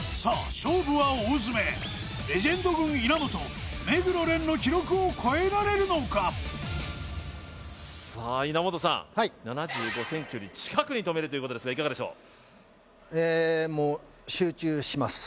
勝負は大詰めレジェンド軍稲本目黒蓮の記録を超えられるのかさあ稲本さんはい７５ｃｍより近くに止めるということですがいかがでしょう？